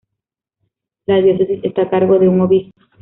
La diócesis está a cargo de un obispo.